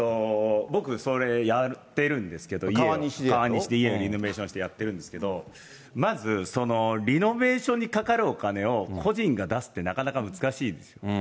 僕、それやってるんですけど、家を、やってるんですけど、まずリノベーションにかかるお金を、個人が出すってなかなか難しいですよ。